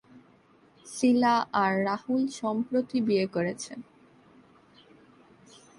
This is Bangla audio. শিলা আর রুহুল সম্প্রতি বিয়ে করেছে।